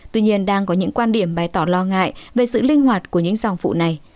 tuy nhiên đang có những quan điểm bày tỏ lo ngại về sự linh hoạt của những dòng phụ này